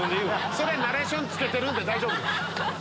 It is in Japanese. それナレーションつけてるんで大丈夫です。